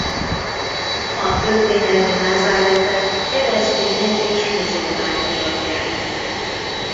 A történelmi Názáretet keresztények és muzulmánok lakják.